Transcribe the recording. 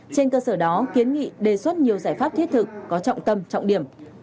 trên cơ sở đó kiến nghị đề xuất nhiều giải pháp thiết thực có trọng tâm trọng điểm